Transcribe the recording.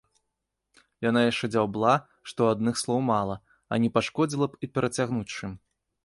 Яна яшчэ дзяўбла, што адных слоў мала, а не пашкодзіла б і перацягнуць чым.